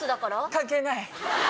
関係ない。